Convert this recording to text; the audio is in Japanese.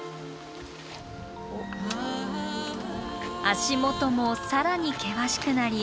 足元も更に険しくなり。